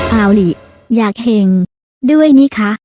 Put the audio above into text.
เอาลิอยากเฮงด้วยนี้คะ